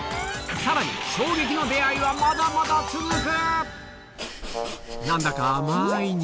さらに衝撃の出会いはまだまだ続く！